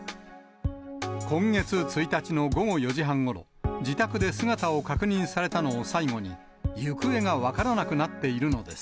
今月１日の午後４時半ごろ、自宅で姿を確認されたのを最後に、行方が分からなくなっているのです。